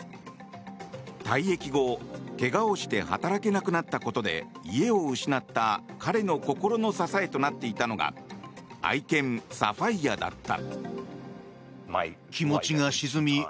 退役後、けがをして働けなくなったことで家を失った彼の心の支えとなっていたのが愛犬サファイアだった。